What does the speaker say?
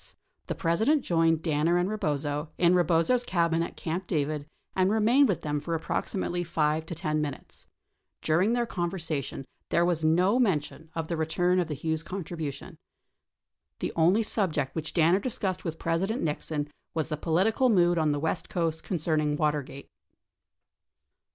The President joined Danner and Eebozo, in Eebozo's cabin at Camp David and remained with them for approximately 5 to 10 minutes. During their conversation, there was no men tion of the return of the Hughes contribution. The only subject which Danner discussed with President Nixon was the political mood on the west coast concerning Water gate.